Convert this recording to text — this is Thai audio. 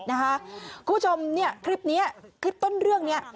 คุณผู้ชมคลิปต้นเรื่องนี้